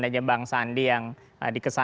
jadi mengulangi siege riksa